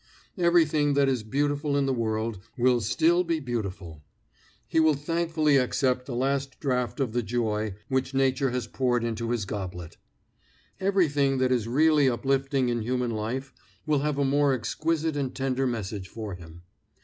Everything that is beautiful in the world will still be beautiful; he will thankfully accept the last draught of the joy which nature has poured into his goblet. Everything that is really uplifting in human life will have a more exquisite and tender message for him.